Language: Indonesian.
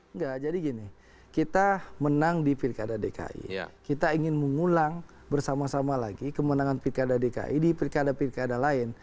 enggak jadi gini kita menang di pilkada dki kita ingin mengulang bersama sama lagi kemenangan pilkada dki di pilkada pilkada lain